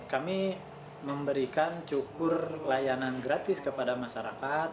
kami memberikan cukur layanan gratis kepada masyarakat